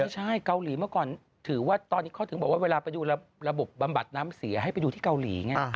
ไม่ใช่กาลีเมื่อก่อนถือว่าเวลาไปดูระบบบำบัดน้ำเสียให้ไปดูที่เกาหลี